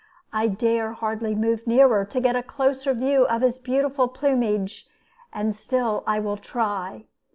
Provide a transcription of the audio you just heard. I dare hardly move nearer to get a closer view of his beautiful plumage; and still I will try.